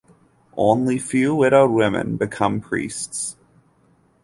Only few widowed women become priests.